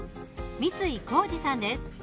三井孝司さんです。